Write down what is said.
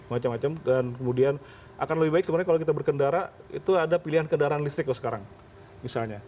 macam macam dan kemudian akan lebih baik sebenarnya kalau kita berkendara itu ada pilihan kendaraan listrik kok sekarang misalnya